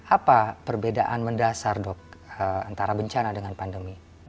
apa perbedaan mendasar dok antara bencana dengan pandemi